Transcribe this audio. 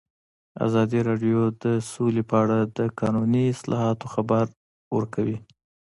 ازادي راډیو د سوله په اړه د قانوني اصلاحاتو خبر ورکړی.